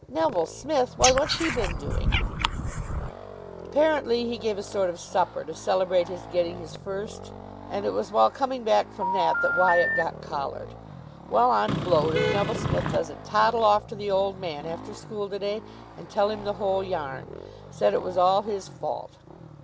"Neville Smith! Why, what's he been doing?" "Apparently he gave a sort of supper to celebrate his getting his first, and it was while coming back from that that Wyatt got collared. Well, I'm blowed if Neville Smith doesn't toddle off to the Old Man after school to day and tell him the whole yarn! Said it was all his fault.